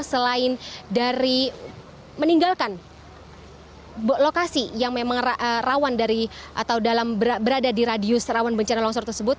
selain dari meninggalkan lokasi yang memang rawan dari atau dalam berada di radius rawan bencana longsor tersebut